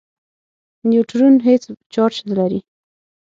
نیوټرون هېڅ چارج نه لري.